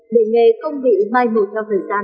để nghề công vị mai mùa theo thời gian